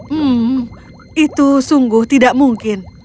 hmm itu sungguh tidak mungkin